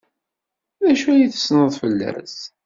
D acu ay tessneḍ fell-as?